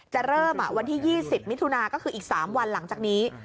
จะเริ่มวันที่๒๐มิถุนาก็คืออีก๓วันหลังจากนี้